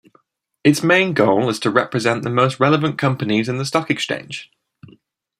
Its main goal is to represent the most relevant companies in the stock exchange.